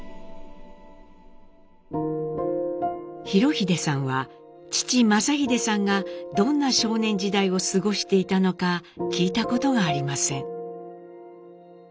裕英さんは父正英さんがどんな少年時代を過ごしていたのか聞いたことがありません。